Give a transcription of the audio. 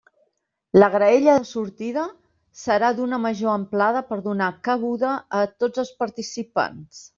La graella de sortida serà d'una major amplada per donar cabuda a tots els participants.